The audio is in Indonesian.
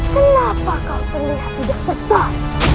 kenapa kau terlihat tidak tepat